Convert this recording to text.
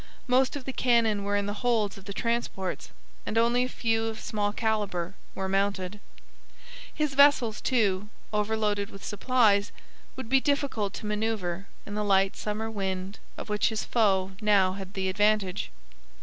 Most of the cannon were in the holds of the transports, and only a few of small calibre were mounted. His vessels, too, overloaded with supplies, would be difficult to manoeuvre in the light summer wind of which his foe now had the advantage.